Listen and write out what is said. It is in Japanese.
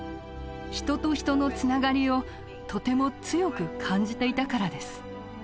人と人のつながりをとても強く感じていたからです。